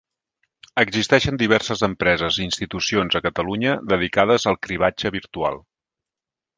Existeixen diverses empreses i institucions a Catalunya dedicades al cribratge virtual.